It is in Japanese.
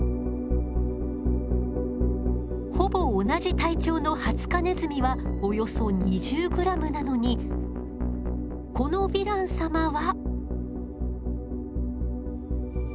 ほぼ同じ体長のハツカネズミはおよそ２０ｇなのにこのヴィラン様は。